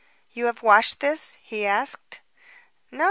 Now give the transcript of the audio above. "You have washed this?" he asked. "No.